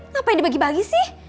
ngapain dibagi bagi sih